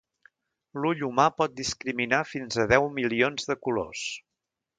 L'ull humà pot discriminar fins a deu milions de colors.